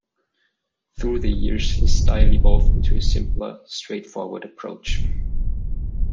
Through the years his style evolved into a simpler, straightforward approach.